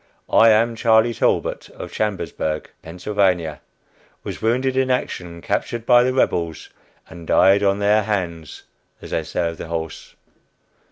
"I am Charlie Talbot, of Chambersburg, Pa. Was wounded in action, captured by the Rebels, and 'died on their hands' as they say of the horse."